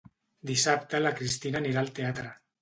Dissabte la Cristina anirà al teatre